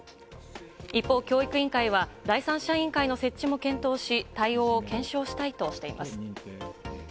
一方、教育委員会は第三者委員会の設置も検討し、対応を検証したいとしています。